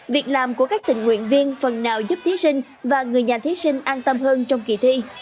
việc làm của các tình nguyện viên phần nào giúp thí sinh và người nhà thí sinh an tâm hơn trong kỳ thi